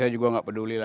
aku juga gak peduli lah